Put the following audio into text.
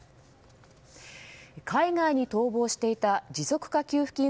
海外に逃亡していた持続化給付金